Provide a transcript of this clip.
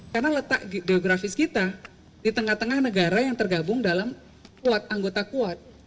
karena letak geografis kita di tengah tengah negara yang tergabung dalam kuat anggota kuat